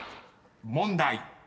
［問題］